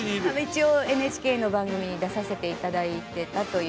一応ＮＨＫの番組に出させていただいてたということで。